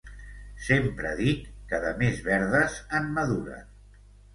Sempre dic que de més verdes en maduren